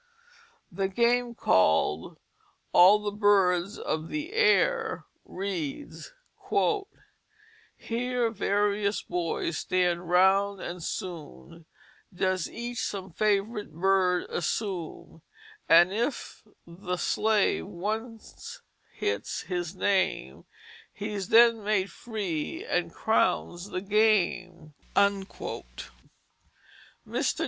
The game called "All the birds of the air," reads: "Here various boys stand round and soon Does each some favorite bird assume; And if the Slave once hits his name, He's then made free and crowns the game." Mr.